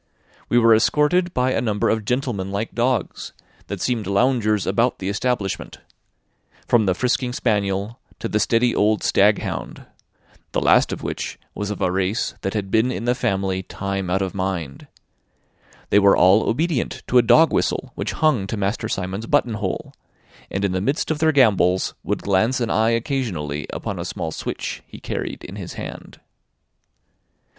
We were escorted by a number of gentleman like dogs, that seemed loungers about the establishment; from the frisking spaniel to the steady old staghound; the last of which was of a race that had been in the family time out of mind: they were all obedient to a dog whistle which hung to Master Simon's buttonhole, and in the midst of their gambols would glance an eye occasionally upon a small switch he carried in his hand.